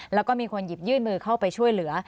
แล้วก็มีคนหยิบยื่นมือเข้าไปช่วยเหลือ